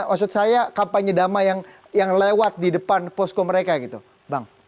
maksud saya kampanye damai yang lewat di depan posko mereka gitu bang